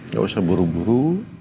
gak usah buru buru